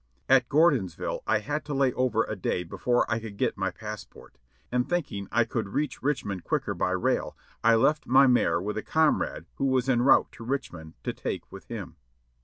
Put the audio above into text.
At Gordonsville I had to lay over a day before I could get my passport, and thinking I could reach Richmond quicker by rail, I left my mare with a oomrade who was en route to Richmond, to take with him.